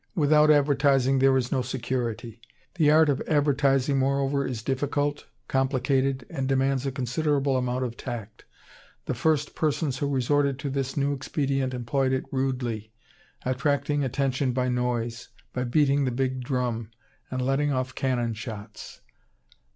Without advertising there is no security. The art of advertising, moreover, is difficult, complicated, and demands a considerable amount of tact. The first persons who resorted to this new expedient employed it rudely, attracting attention by noise, by beating the big drum, and letting off cannon shots.